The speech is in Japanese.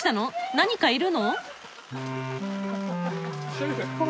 何かいるの？